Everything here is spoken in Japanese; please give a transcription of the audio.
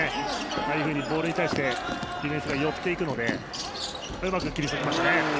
ああいうふうにボールに対してディフェンスが寄っていくのでうまく切り裂きましたね。